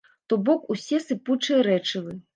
То бок усе сыпучыя рэчывы.